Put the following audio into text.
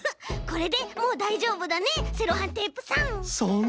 これでもうだいじょうぶだねセロハンテープさん。